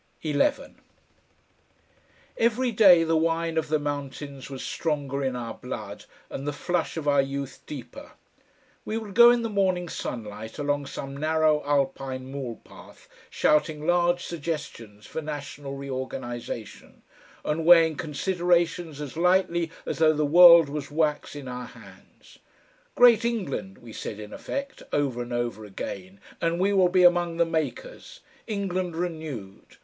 11 Every day the wine of the mountains was stronger in our blood, and the flush of our youth deeper. We would go in the morning sunlight along some narrow Alpine mule path shouting large suggestions for national reorganisation, and weighing considerations as lightly as though the world was wax in our hands. "Great England," we said in effect, over and over again, "and we will be among the makers! England renewed!